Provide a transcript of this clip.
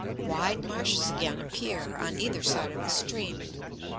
Wide marshes again appear on either side of the stream.